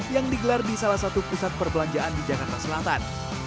yang digelar di salah satu pusat perbelanjaan di jakarta selatan